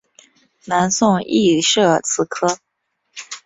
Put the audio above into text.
南宋亦设此科。